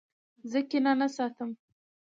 زه کینه نه ساتم.